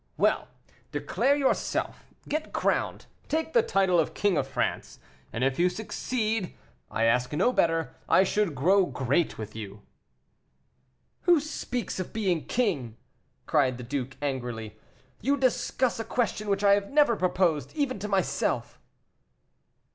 Well! declare yourself get crowned take the title of King of France and if you succeed, I ask no better; I should grow great with you." "Who speaks of being king?" cried the duke, angrily; "you discuss a question which I have never proposed, even to myself."